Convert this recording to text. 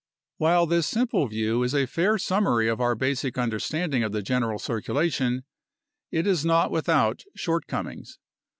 While this simple view is a fair summary of our basic understanding of the general circulation, it is not without shortcomings.